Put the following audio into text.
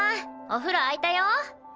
お風呂あいたよ。